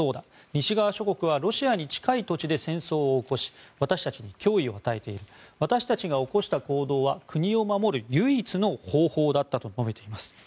西側諸国はロシアに近い土地で戦争を起こし私たちに脅威を与えている私たちが起こした行動は国を守る唯一の方法だったと述べています。